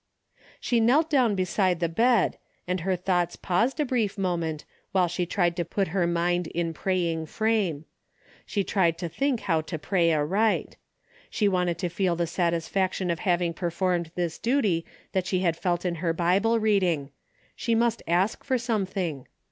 She knelt down beside the bed, and her thoughts paused a brief moment, while she tried to put her mind in praying frame. She tried to think how to pray aright. She wanted to feel the satisfaction of having performed this duty that she had felt in her Bible read ing. She must ask for something.